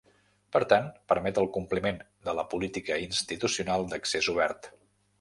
Per tant permet el compliment de la Política institucional d'accés obert.